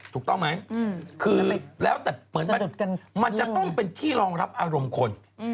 ถูกต้องไหมคือแล้วแต่เหมือนมันจะต้องเป็นที่รองรับอารมณ์คน